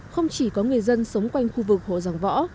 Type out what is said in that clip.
không chỉ có người dân sống quanh khu vực hộ giảng võ